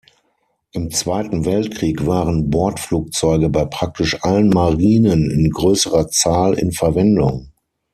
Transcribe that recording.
Im Zweiten Weltkrieg waren Bordflugzeuge bei praktisch allen Marinen in größerer Zahl in Verwendung.